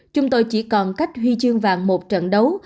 chúng tôi chỉ còn cách huy chương vàng một trận đấu